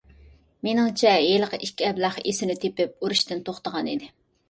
مېنىڭچە ھېلىقى ئىككى ئەبلەخ ئېسىنى تېپىپ ئۇرۇشتىن توختىغان ئىدى.